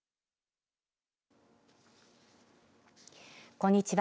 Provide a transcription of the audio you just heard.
こんにちは。